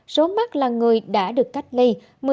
số mắc là người đã được cách ly